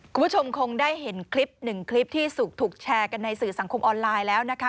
คุณผู้ชมคงได้เห็นคลิปหนึ่งคลิปที่ถูกแชร์กันในสื่อสังคมออนไลน์แล้วนะคะ